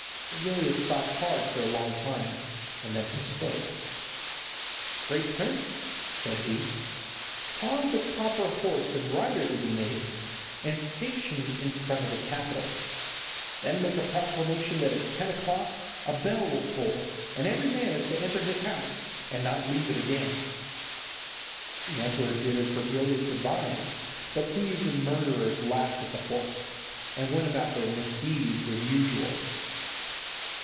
Virgilius thought hard for a long time, and then he spoke: 'Great prince,' said he, 'cause a copper horse and rider to be made, and stationed in front of the Capitol. Then make a proclamation that at ten o'clock a bell will toll, and every man is to enter his house, and not leave it again.' The emperor did as Virgilius advised, but thieves and murderers laughed at the horse, and went about their misdeeds as usual.